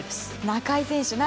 中井選手